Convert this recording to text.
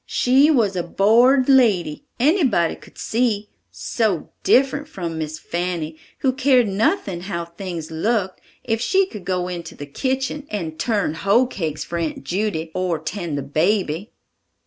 She was a born'd lady, anybody could see; so different from Miss Fanny, who cared nothing how things looked if she could go into the kitchen and turn hoe cakes for Aunt Judy, or tend the baby!"